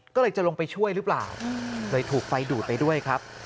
ก็เลยจะลงไปช่วยหรือเปล่าเลยถูกไฟดูดไปด้วยครับ